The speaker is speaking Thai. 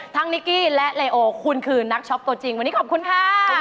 นิกกี้และเลโอคุณคือนักช็อปตัวจริงวันนี้ขอบคุณค่ะ